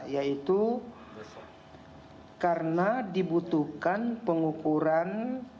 yaitu karena dibutuhkan pengukuran